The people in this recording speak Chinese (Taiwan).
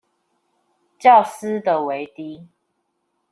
較私地為低